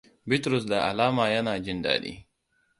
Bitrus da alama yana jin daɗi.